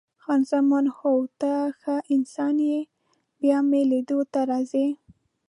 خان زمان: هو، ته ښه انسان یې، بیا مې لیدو ته راځې؟